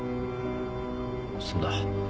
そうだ。